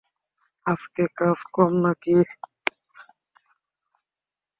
আজকে কাজ কম নাকি?